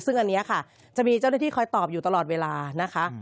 ซึ่งอันนี้ค่ะจะมีเจ้าหน้าที่คอยตอบอยู่ตลอดเวลานะคะ